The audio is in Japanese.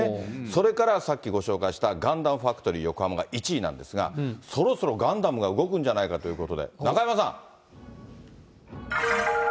それからさっきご紹介したガンダムファクトリーヨコハマが１位なんですが、そろそろガンダムが動くんじゃないかということで、中山さん。